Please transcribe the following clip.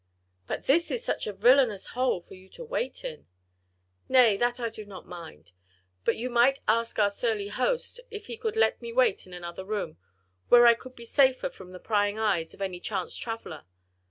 "But this is such a villainous hole for you to wait in." "Nay, that I do not mind!—But you might ask our surly host if he could let me wait in another room, where I could be safer from the prying eyes of any chance traveller.